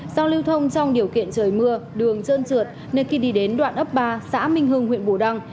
do lưu thông trong điều kiện trời mưa đường trơn trượt nên khi đi đến đoạn ấp ba xã minh hưng huyện bù đăng